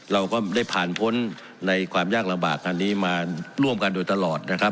เราก็ได้ผ่านพ้นในความยากลำบากอันนี้มาร่วมกันโดยตลอดนะครับ